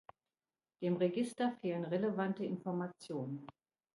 Dem Register fehlen relevante Informationen.